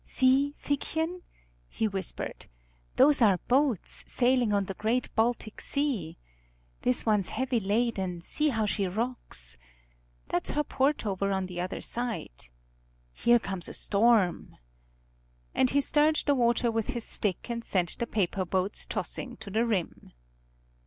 "See, Figchen," he whispered, "those are boats, sailing on the great Baltic Sea. This one's heavy laden, see how she rocks. That's her port over on the other side. Here comes a storm," and he stirred the water with his stick and sent the paper boats tossing to the rim.